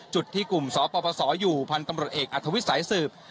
จุดที่กลุ่มสปสอยู่พันธ์ตำรวจเอกอัธวิทย์สายสืบ